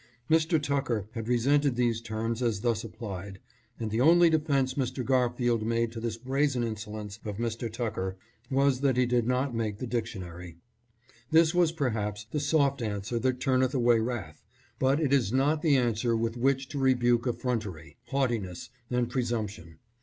Mr. Tucker had resented these terms as thus applied, and the only defense Mr. Garfield made to this brazen insolence of Mr. Tucker was that he did not make the dictionary. This was perhaps the soft answer that turneth away wrath, but it is not the answer with which to rebuke effrontery, haughtiness and presumption.